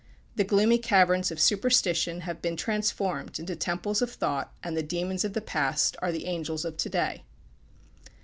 The gloomy caverns of superstition have been transformed into temples of thought, and the demons of the past are the angels of to day.